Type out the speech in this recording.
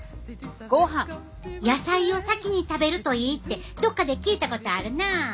野菜を先に食べるといいってどっかで聞いたことあるなあ。